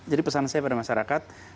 jadi pesan saya pada masyarakat